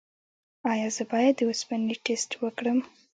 ایا زه باید د اوسپنې ټسټ وکړم؟